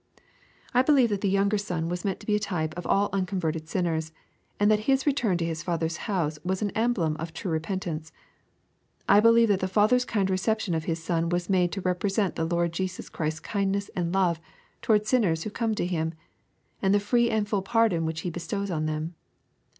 I believe that the younger son was meant to be a type of all unconverted sinners, and that his return to his father's house was an emblem of true repentance. — ^I believe that the father's kind reception of his son was made to represent the Lord Jesus Christ's kindness and love toward sinners who come to Him, and the free and full pardon which He bestows on them.